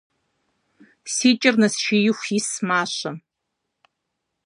- Си кӏэр нэсшииху ис мащэм.